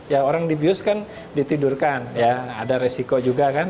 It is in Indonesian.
ya orang dibius kan ditidurkan ya ada resiko juga kan